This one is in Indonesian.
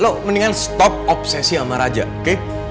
lo mendingan stop obsesi sama raja oke